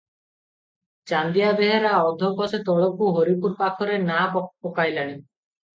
ଚାନ୍ଦିଆ ବେହେରା ଅଧକୋଶେ ତଳକୁ ହରିପୁର ପାଖରେ ନାଆ ପକାଇଲାଣି ।